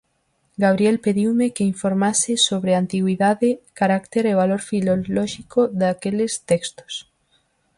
Gabriel pediume que informase sobre a antigüidade, carácter e valor filolóxico daqueles textos.